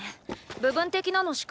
部分的なのしか。